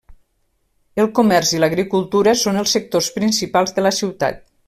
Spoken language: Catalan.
El comerç i l'agricultura són els sectors principals de la ciutat.